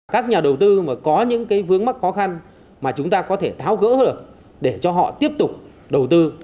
các nhà đầu tư mà có những cái vướng mắc khó khăn mà chúng ta có thể tháo gỡ được để cho họ tiếp tục đầu tư